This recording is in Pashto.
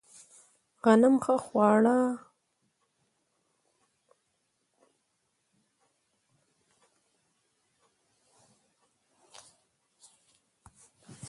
غنم ښه خواړه ورنهکړل او تغذیه یې محدوده کړه.